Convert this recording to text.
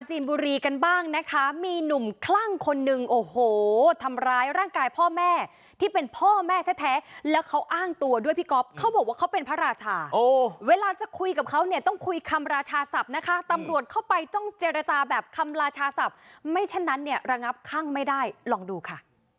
บุรีกันบ้างนะคะมีหนุ่มคลั่งคนนึงโอ้โหทำร้ายร่างกายพ่อแม่ที่เป็นพ่อแม่แท้แล้วเขาอ้างตัวด้วยพี่ก๊อฟเขาบอกว่าเขาเป็นพระราชาเวลาจะคุยกับเขาเนี่ยต้องคุยคำราชาศัพท์นะคะตำรวจเข้าไปต้องเจรจาแบบคำราชาศัพท์ไม่เช่นนั้นเนี่ยระงับคลั่งไม่ได้ลองดูค่ะ